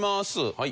はい。